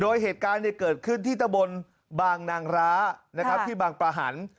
โดยเหตุการณ์เกิดขึ้นที่ตะบนบางนางร้านะครับที่บางประหัน